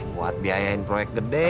buat biayain proyek gede